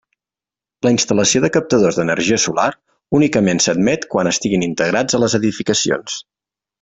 La instal·lació de captadors d'energia solar únicament s'admet quan estiguin integrats a les edificacions.